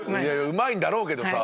うまいんだろうけどさ。